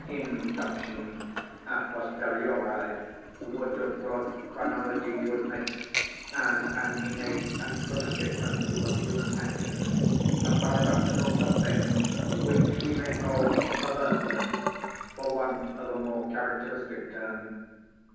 Induction, a posteriori, would have brought phrenology to admit, as an innate and primitive principle of human action, a paradoxical something, which we may call perverseness, for want of a more characteristic term.